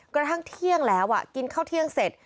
กระทั่งเที่ยงแล้วกินข้าวเที่ยงเสร็จ